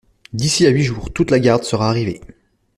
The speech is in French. D'ici à huit jours, toute la garde sera arrivée.